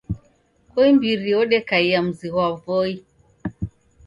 Koimbiri odekaia mzi ghwa Voi